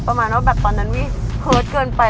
ประมาณว่าแบบตอนนั้นไม่เฮิร์ตเกินไป